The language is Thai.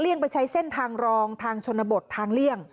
ไปใช้เส้นทางรองทางชนบททางเลี่ยง